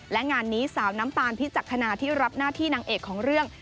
และงานนี้สาวน้ำตาลพิจักษณาที่รับหน้าที่นางเอกของเรื่อง